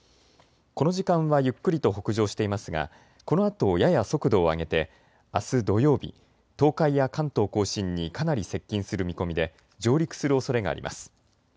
この時間はゆっくりと北上していますがこのあとやや速度を上げてあす土曜日、東海や関東甲信にかなり接近する見込みで上陸するおそれがあります。